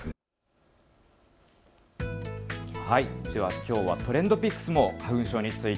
きょうはＴｒｅｎｄＰｉｃｋｓも花粉症について。